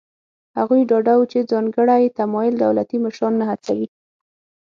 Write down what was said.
هغوی ډاډه وو چې ځانګړی تمایل دولتي مشران نه هڅوي.